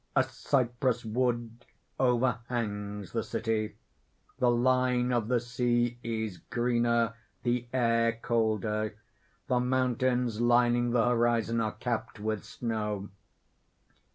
A cypress wood overhangs the city. The line of the sea is greener, the air colder. The mountains lining the horizon are capped with snow.